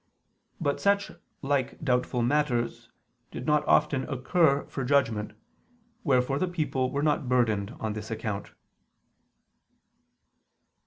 But such like doubtful matters did not often occur for judgment: wherefore the people were not burdened on this account.